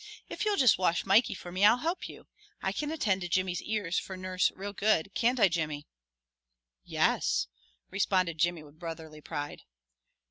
If you'll just wash Mikey for me I'll help you. I can attend to Jimmy's ears for nurse real good, can't I, Jimmy?" "Yes," responded Jimmy with brotherly pride.